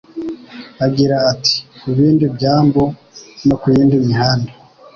agira ati Ku bindi byambu no ku yindi mihanda